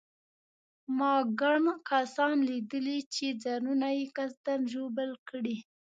ما ګڼ کسان لیدلي چې ځانونه یې قصداً ژوبل کړي.